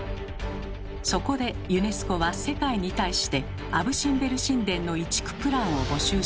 そこでユネスコは世界に対してアブ・シンベル神殿の移築プランを募集しました。